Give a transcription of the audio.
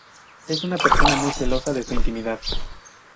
Es una persona muy celosa de su intimidad.